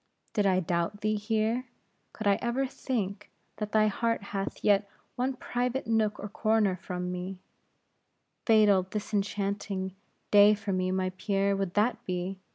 Did I doubt thee here; could I ever think, that thy heart hath yet one private nook or corner from me; fatal disenchanting day for me, my Pierre, would that be.